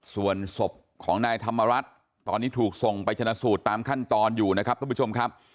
ส่วนศพของนายธรรมรัฐตอนนี้ถูกส่งไปชนะสูตรตามขั้นตอนอยู่นะครับทุกผู้ชมครับ